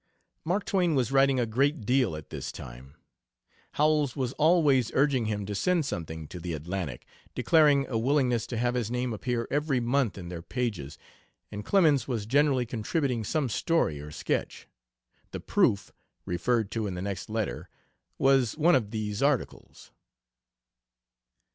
Mark Twain was writing a great deal at this time. Howells was always urging him to send something to the Atlantic, declaring a willingness to have his name appear every month in their pages, and Clemens was generally contributing some story or sketch. The "proof" referred to in the next letter was of one of these articles.